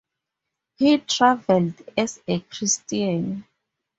He traveled as a Christian.